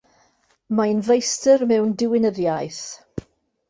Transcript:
Mae'n Feistr mewn Diwinyddiaeth.